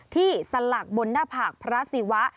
สลักบนหน้าผากพระศิวะ